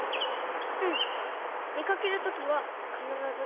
うん。でかけるときはかならず。